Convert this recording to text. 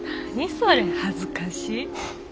それ恥ずかしい。